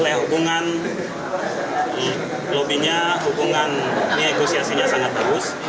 oleh hubungan lobby nya hubungan ekosiasinya sangat bagus